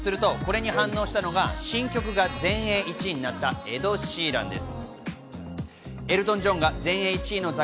するとこれに反応したのが新曲が全英１位になったエド・シーランです。